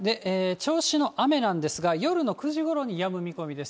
銚子の雨なんですが、夜の９時ごろにやむ見込みです。